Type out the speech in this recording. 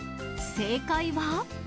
正解は。